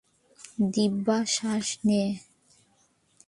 দিব্যা, শ্বাস নে।